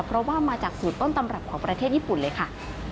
เพราะว่ามาจากสูตรต้นตำรับของประเทศญี่ปุ่นเลยค่ะ